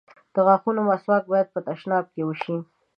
د غاښونو مسواک بايد په تشناب کې وشي.